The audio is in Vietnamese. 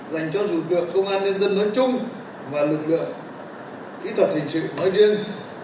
dành cho thủ tướng công an nhân dân nói chung và lực lượng kỹ thuật hình sự nói riêng